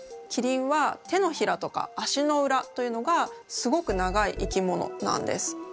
キリンは手のひらとか足の裏というのがすごく長い生き物なんです。